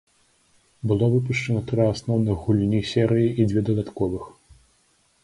Было выпушчана тры асноўных гульні серыі і дзве дадатковых.